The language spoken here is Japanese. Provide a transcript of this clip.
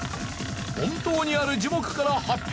本当にある樹木から発表。